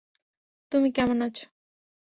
তুমি কেমন আছো?